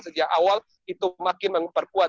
sejak awal itu makin memperkuat